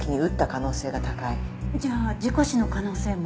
じゃあ事故死の可能性も？